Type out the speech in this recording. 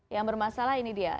yang bermasalah ini dia